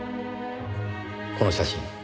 この写真。